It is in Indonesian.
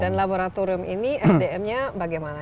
dan laboratorium ini sdm nya bagaimana